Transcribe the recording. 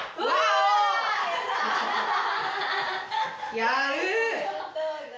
やる！